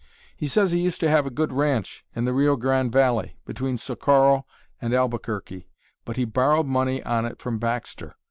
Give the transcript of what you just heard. He says he used to have a good ranch in the Rio Grande valley, between Socorro and Albuquerque, but he borrowed money on it from Baxter.